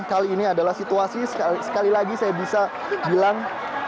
kali ini adalah situasi sekali lagi saya bisa bilang